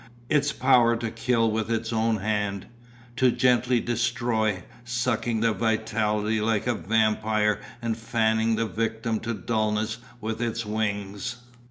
Its power to kill with its own hand. To gently destroy, sucking the vitality like a vampire and fanning the victim to dullness with its wings.